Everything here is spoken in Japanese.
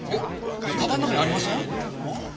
いやカバンの中にありません？